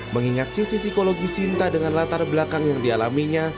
mengingat sisi psikologi sinta dengan latar belakang yang dialaminya